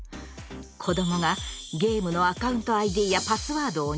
子どもがゲームのアカウントＩＤやパスワードを入力。